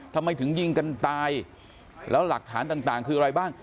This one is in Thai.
ทำไมถึงยิงกันตายแล้วหลักฐานต่างคืออะไรบ้าง